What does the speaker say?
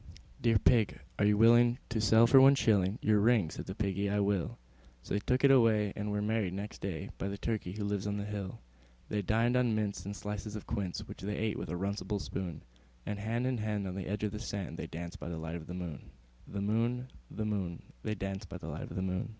III. "Dear Pig, are you willing to sell for one shilling Your ring?" Said the Piggy, "I will." So they took it away, and were married next day By the Turkey who lives on the hill. They dined on mince and slices of quince, Which they ate with a runcible spoon; And hand in hand, on the edge of the sand, They danced by the light of the moon, The moon, The moon, They danced by the light of